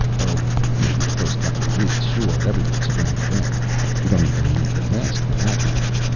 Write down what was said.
Oh, maybe the first couple of weeks, sure everybody's friends then. You don't even need the mask, for that matter.